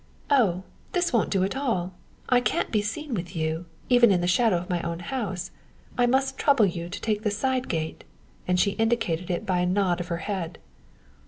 "Oh, this won't do at all! I can't be seen with you, even in the shadow of my own house. I must trouble you to take the side gate," and she indicated it by a nod of her head.